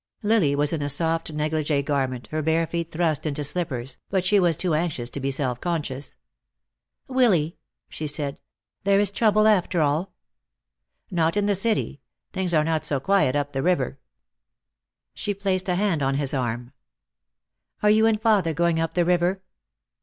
Lily was in a soft negligee garment, her bare feet thrust into slippers, but she was too anxious to be self conscious. "Willy," she said, "there is trouble after all?" "Not in the city. Things are not so quiet up the river." She placed a hand on his arm. "Are you and father going up the river?"